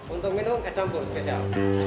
untuk minum saya campur spesial